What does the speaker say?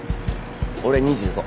俺２５。